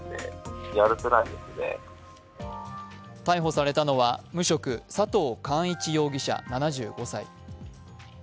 逮捕されたのは無職、佐藤貫一容疑者７５歳。